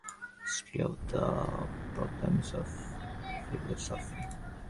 তিনি রচনা করেন- a genetic history of the problems of philosophy.